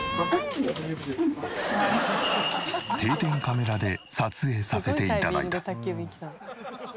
定点カメラで撮影させて頂いた。